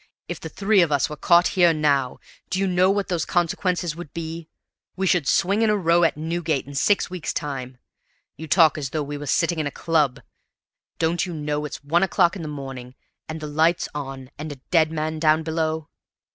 If the three of us were caught here now, do you know what those consequences would be? We should swing in a row at Newgate in six weeks' time! You talk as though we were sitting in a club; don't you know it's one o'clock in the morning, and the lights on, and a dead man down below?